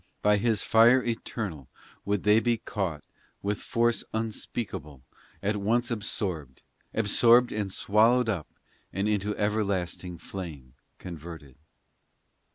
by His fire eternal Would they be caught, with force unspeakable, At once absorbed, Absorbed and swallowed up And into everlasting flame converted.